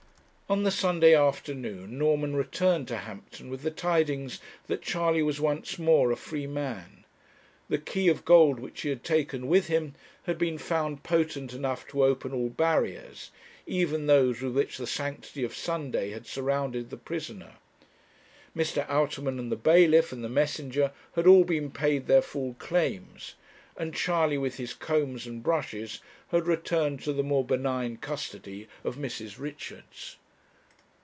On the Sunday afternoon, Norman returned to Hampton with the tidings that Charley was once more a free man. The key of gold which he had taken with him had been found potent enough to open all barriers, even those with which the sanctity of Sunday had surrounded the prisoner. Mr. Outerman, and the bailiff, and the messenger, had all been paid their full claims, and Charley, with his combs and brushes, had returned to the more benign custody of Mrs. Richards.